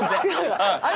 あれ？